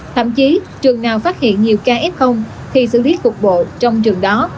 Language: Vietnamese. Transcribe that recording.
thậm chí trường nào phát hiện nhiều ca f thì xử lý thuộc bộ trong trường đó